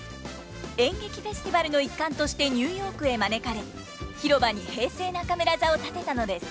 演劇フェスティバルの一環としてニューヨークへ招かれ広場に平成中村座を建てたのです。